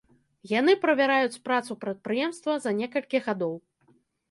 Яны правяраюць працу прадпрыемства за некалькі гадоў.